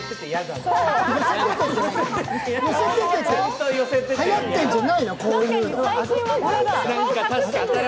はやってんじゃねぇの、こういうの。